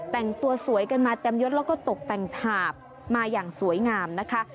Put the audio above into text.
แต่งตัวสวยกันมาเต็มยดแล้วก็ตกแต่งถาบมาอย่างสวยงามนะคะ